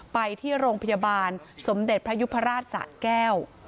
ไปที่โรงพยาบาลสมเด็จพระยุพราชสะแก้ว